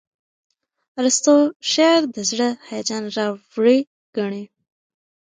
ارستو شعر د زړه هیجان راوړي ګڼي.